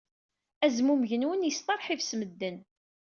Azmumeg-nwen yesteṛḥib s medden.